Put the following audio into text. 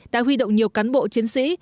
đã huy động nhiều cán bộ chiến sĩ